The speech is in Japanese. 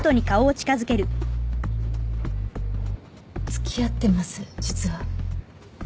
つきあってます実は。